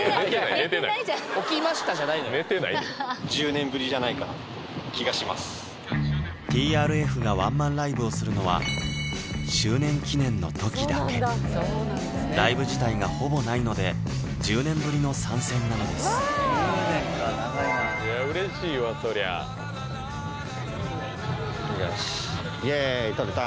「起きました」じゃないのよ寝てないで気がします「ＴＲＦ」がワンマンライブをするのは周年記念の時だけライブ自体がほぼないので１０年ぶりの参戦なのです１０年か長いないやうれしいわそりゃよしイェイ撮った！